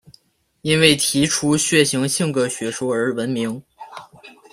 因为提出血型性格学说而闻名。